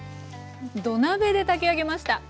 土鍋で炊き上げました。